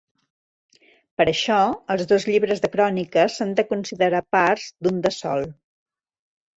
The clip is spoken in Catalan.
Per això, els dos llibres de cròniques s'han de considerar parts d'un de sol.